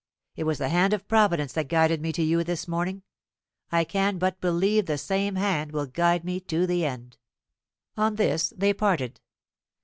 It was the hand of Providence that guided me to you this morning. I can but believe the same hand will guide me to the end." On this they parted.